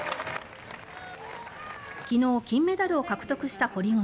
昨日、金メダルを獲得した堀米。